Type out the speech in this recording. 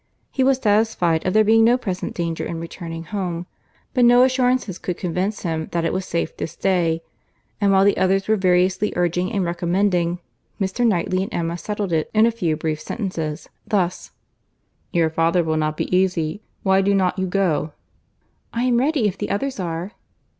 He was satisfied of there being no present danger in returning home, but no assurances could convince him that it was safe to stay; and while the others were variously urging and recommending, Mr. Knightley and Emma settled it in a few brief sentences: thus— "Your father will not be easy; why do not you go?" "I am ready, if the others are."